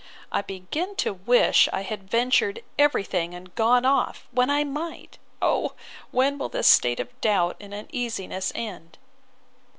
I begin to wish I had ventured every thing and gone off, when I might. O when will this state of doubt and uneasiness end!